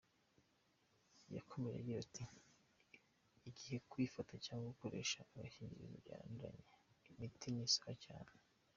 Yakomeje agira ati “Igihe kwifata cyangwa gukoresha agakingirizo byananiranye imiti ni sawa cyane.